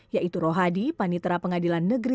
yaitu rohadi panitera pengadilan